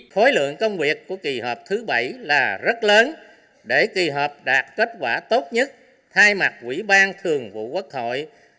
khối lượng công việc của kỳ họp thứ bảy là rất lớn để kỳ họp đạt kết quả tốt nhất thay mặt quỹ ban thường vụ quốc hội